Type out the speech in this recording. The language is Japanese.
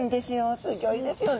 すギョいですよね。